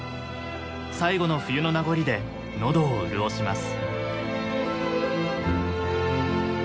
最後の冬の名残で喉を潤します。